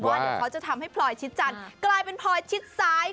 ว่าเดี๋ยวเขาจะทำให้พลอยชิดจันทร์กลายเป็นพลอยชิดซ้าย